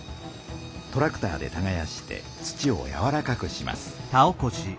トラクターでたがやして土をやわらかくします。